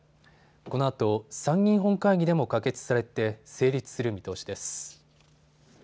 このあと参議院本会議でも可決されて成立する見通しです。